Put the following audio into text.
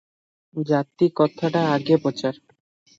ଜାତି କଥାଟା ଆଗେ ପଚାର ।